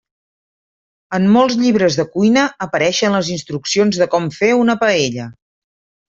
En molts llibres de cuina apareixen les instruccions de com fer una paella.